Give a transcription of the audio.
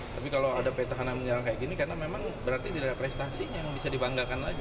tapi kalau ada petahana menyerang kayak gini karena memang berarti tidak ada prestasi yang bisa dibanggakan lagi